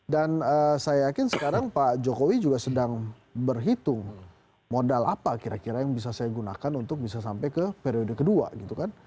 dan saya yakin sekarang pak jokowi juga sedang berhitung modal apa kira kira yang bisa saya gunakan untuk bisa sampai ke periode kedua gitu kan